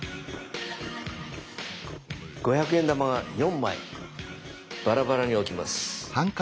五百円玉が４枚バラバラに置きます。